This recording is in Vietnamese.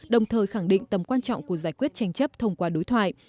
đồng thời khẳng định tầm quan trọng của giải quyết tranh chấp thông qua đối thoại